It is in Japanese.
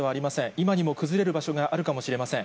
今にも崩れる場所があるかもしれません。